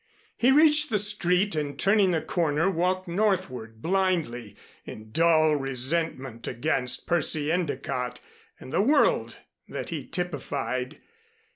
He reached the street and turning the corner walked northward blindly, in dull resentment against Percy Endicott, and the world that he typified.